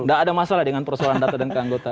tidak ada masalah dengan persoalan data dan keanggotaan